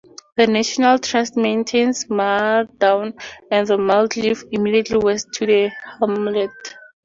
The National Trust maintains Maer Down and Maer Cliff immediately west of the hamlet.